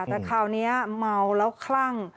แต่คราวนี้เมาแล้วคลั่ง